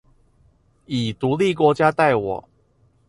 以獨立國家待我